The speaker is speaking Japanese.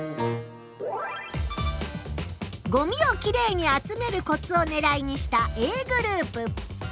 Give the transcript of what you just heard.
「ごみをキレイに集めるコツ」をねらいにしたＡグループ。